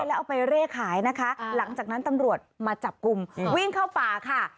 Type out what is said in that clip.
แล้วเอาไปเร่ขายนะคะหลังจากนั้นตำรวจมาจับกลุ่มวิ่งเข้าป่าค่ะ